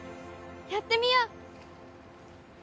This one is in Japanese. やってみよう。